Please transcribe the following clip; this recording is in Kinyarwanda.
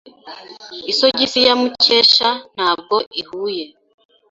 Isogisi ya Mukesha ntabwo ihuye.